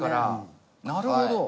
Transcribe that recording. なるほど。